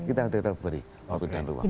kita tetap beri waktu dan ruang